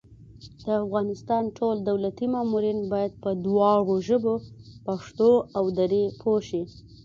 د افغانستان ټول دولتي مامورین بايد په دواړو ژبو پښتو او دري پوه شي